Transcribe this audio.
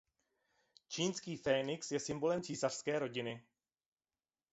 Čínský fénix je symbolem císařské rodiny.